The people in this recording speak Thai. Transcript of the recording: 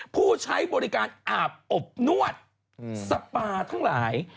ผู้ใช้บริการอาบอบนวดสปาทั้งหลาย